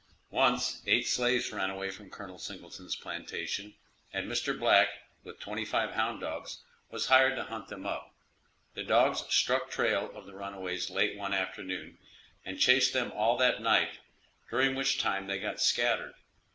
Once eight slaves ran away from Col. Singleton's plantation, and Mr. Black, with twenty five hound dogs, was hired to hunt them up. The dogs struck trail of the runaways late one afternoon, and chased them all that night, during which time they got scattered.